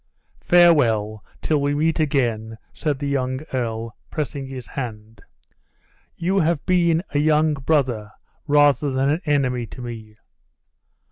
"Farewell, till we meet again!" said the young earl, pressing his hand; "you have been a young brother rather than an enemy, to me."